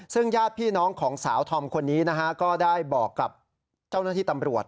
ซึ่งญาติพี่น้องของสาวธอมคนนี้นะฮะก็ได้บอกกับเจ้าหน้าที่ตำรวจ